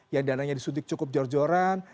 yang dananya disuntik cukup jor joran